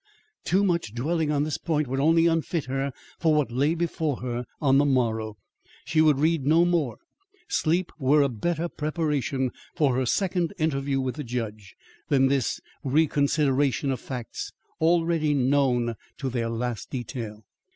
too much dwelling on this point would only unfit her for what lay before her on the morrow. She would read no more. Sleep were a better preparation for her second interview with the judge than this reconsideration of facts already known to their last detail.